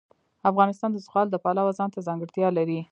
افغانستان د زغال د پلوه ځانته ځانګړتیا لري.